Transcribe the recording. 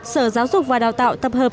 sở giáo dục và đào tạo tập hợp